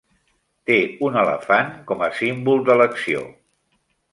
Té un elefant com a símbol d'elecció.